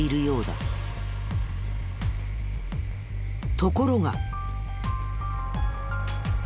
ところが。